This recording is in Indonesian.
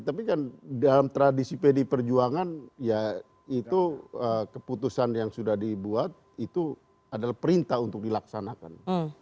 tapi kan dalam tradisi pdi perjuangan ya itu keputusan yang sudah dibuat itu adalah perintah untuk dilaksanakan